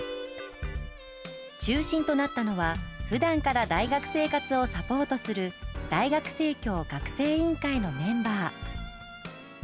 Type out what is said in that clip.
中心となったのは、ふだんから大学生活をサポートする大学生協学生委員会のメンバー。